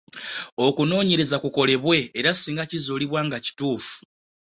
Okunoonyereza kukolebwa era singa kizuulibwa nga kituufu.